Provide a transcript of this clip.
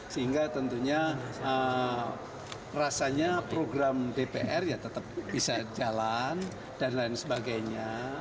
sehingga tentunya rasanya program dpr ya tetap bisa jalan dan lain sebagainya